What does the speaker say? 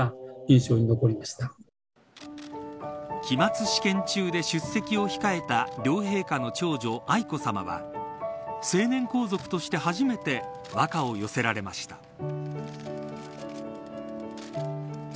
期末試験中で出席を控えた両陛下の長女、愛子さまは成年皇族として初めて和歌を寄せられました。